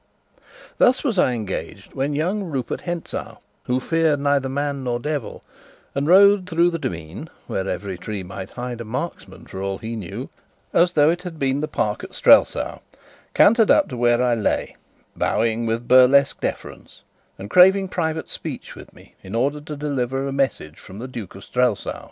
Thus was I engaged when young Rupert Hentzau, who feared neither man nor devil, and rode through the demesne where every tree might hide a marksman, for all he knew as though it had been the park at Strelsau, cantered up to where I lay, bowing with burlesque deference, and craving private speech with me in order to deliver a message from the Duke of Strelsau.